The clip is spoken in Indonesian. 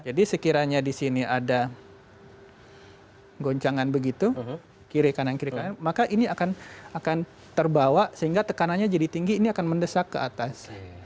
jadi sekiranya di sini ada goncangan begitu kiri kanan kiri kanan maka ini akan terbawa sehingga tekanannya jadi tinggi ini akan mendesak ke atas